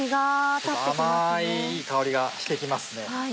甘いいい香りがして来ますね。